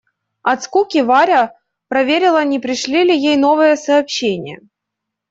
От скуки Варя проверила, не пришли ли ей новые сообщения.